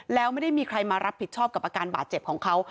แล้วไม่ได้มีใครมารับผิดชอบกับอาการบาดเจ็บของเขา